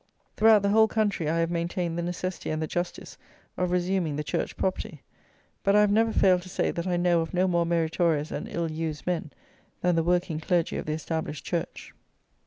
Throughout the whole country I have maintained the necessity and the justice of resuming the church property; but I have never failed to say that I know of no more meritorious and ill used men than the working clergy of the established church.